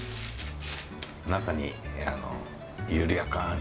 中に緩やかに。